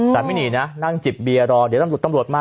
แต่ไม่หนีนะนั่งจิบเบียร์รอเดี๋ยวตำรวจตำรวจมา